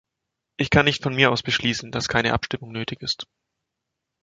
Ich kann nicht von mir aus beschließen, dass keine Abstimmung nötig ist.